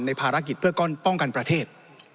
ภารกิจเพื่อป้องกันประเทศ